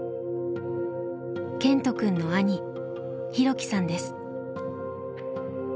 健人くんの兄大樹さんです。